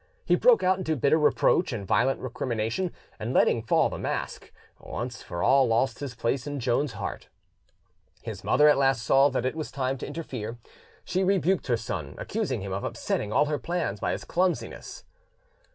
He broke out into bitter reproach and violent recrimination, and, letting fall the mask, once for all lost his place in Joan's heart. His mother at last saw that it was time to interfere: she rebuked her son, accusing him of upsetting all her plans by his clumsiness.